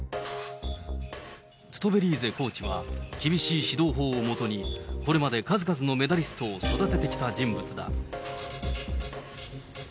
トゥトベリーゼコーチは、厳しい指導法をもとに、これまで数々のメダリストを育ててきた人物だ。